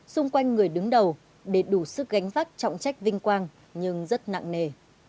xung quanh người đứng đầu để đủ sức gánh vác trọng trách vinh quang nhưng rất nặng nề